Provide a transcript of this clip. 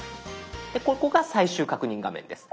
ここが最終確認画面です。